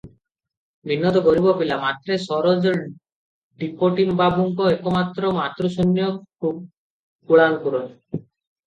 ବିନୋଦ ଗରିବ ପିଲା; ମାତ୍ର ସରୋଜ ଡିପୋଟି ବାବୁଙ୍କ ଏକମାତ୍ର ମାତୃଶୂନ୍ୟ କୁଳାଙ୍କୁର ।